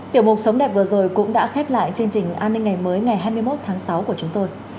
tiểu mục sống đẹp vừa rồi cũng đã khép lại chương trình an ninh ngày mới ngày hai mươi một tháng sáu của chúng tôi